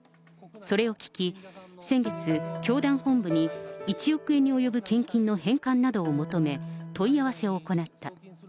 それを聞き、先月、教団本部に、１億円に及ぶ献金の返還などを求め、問い合わせを行った。